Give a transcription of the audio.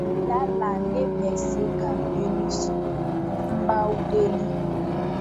Yala ne bɛ se ka menu sɔrɔ n b’aw deli.